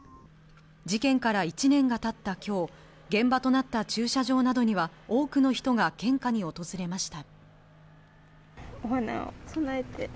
事件から１年が経ったきょう、現場となった駐車場などには多くの人が献花に訪れました。